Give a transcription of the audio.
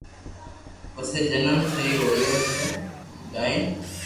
پسي جيم سھي ھوئي ھوئي جائين